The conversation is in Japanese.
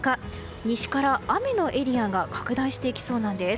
西から雨のエリアが拡大してきそうです。